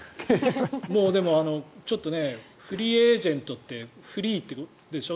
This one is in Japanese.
もうちょっとフリーエージェントってフリーってことでしょ